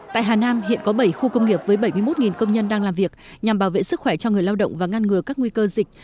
tại hà nam hiện có bảy khu công nghiệp với bảy mươi một công nhân đang làm việc nhằm bảo vệ sức khỏe cho người lao động và ngăn ngừa các nguy cơ dịch